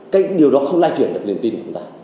cái điều đó không lai chuyển được nền tin của chúng ta